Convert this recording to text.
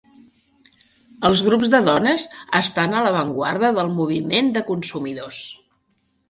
Els grups de dones estan a l'avantguarda del moviment de consumidors.